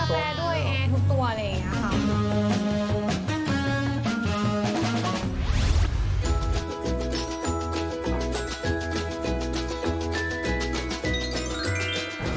เครื่องคาเฟ่ด้วยแอร์ทุกตัวเลยครับ